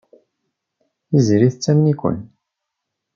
Tiziri tettamen-iken.